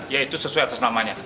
yaitu sesuai atas namanya